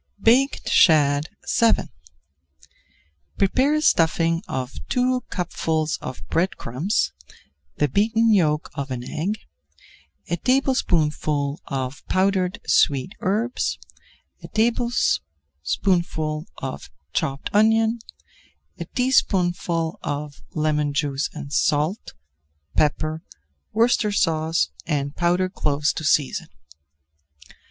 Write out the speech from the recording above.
BAKED SHAD VII Prepare a stuffing of two cupfuls of bread crumbs, the beaten yolk of an egg, a tablespoonful of powdered sweet herbs, a tablespoonful of chopped onion, a teaspoonful of lemon juice and salt, pepper, Worcestershire and powdered cloves to season.